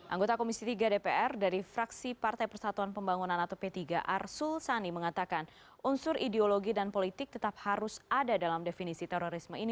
anggota komisi tiga dpr dari fraksi partai persatuan pembangunan atau p tiga arsul sani mengatakan unsur ideologi dan politik tetap harus ada dalam definisi terorisme ini